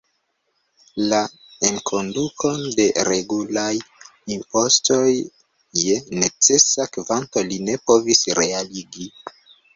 La enkondukon de regulaj impostoj je necesa kvanto li ne povis realigi.